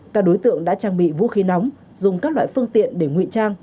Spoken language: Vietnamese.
các đối tượng đã trang bị vũ khí nóng dùng các loại phương tiện để ngụy trang